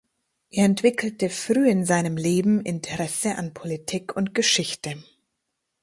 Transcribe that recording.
Er entwickelte früh in seinem Leben Interesse an Politik und Geschichte.